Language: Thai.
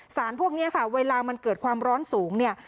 สารพวกนี้ค่ะเวลามันเกิดความร้อนสูงเนี่ย